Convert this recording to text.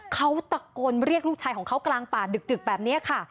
เขาตะโกนเรียกลูกชายของเขากลางป่าดึกแบบนี้ค่ะ